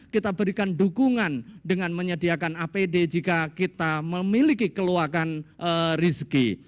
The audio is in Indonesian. kita berikan dukungan dengan menyediakan apd jika kita memiliki keluakan rezeki